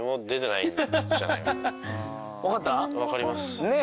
分かります。